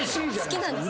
好きなんです。